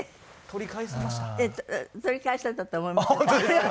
取り返されたと思いますよ。